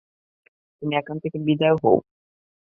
তুমি এখান থেকে বিদায় হও।